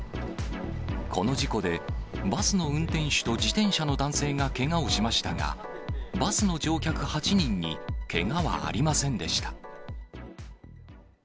この事故で、バスの運転手と自転車の男性がけがをしましたが、バスの乗客８人にけがはありませんでした。